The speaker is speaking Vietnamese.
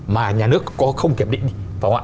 mà nhà nước không kiểm định